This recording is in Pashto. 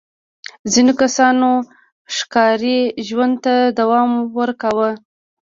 ځینو کسانو ښکاري ژوند ته دوام ورکاوه.